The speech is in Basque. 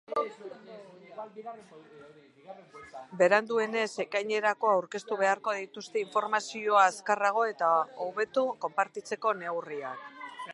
Beranduenez, ekainerako aurkeztu beharko dituzte informazioa azkarrago eta hobeto konpartitzeko neurriak.